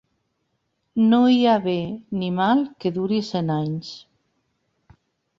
No hi ha bé ni mal que duri cent anys.